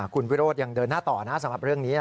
คุณวิโรธยังเดินหน้าต่อนะสำหรับเรื่องนี้